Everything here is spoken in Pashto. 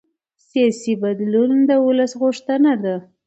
سیاسي بدلون د ولس غوښتنه ده